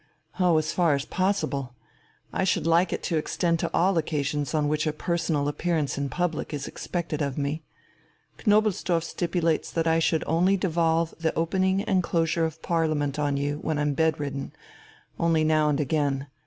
"Oh, as far as possible. I should like it to extend to all occasions on which a personal appearance in public is expected of me. Knobelsdorff stipulates that I should only devolve the opening and closure of Parliament on you when I'm bedridden, only now and again.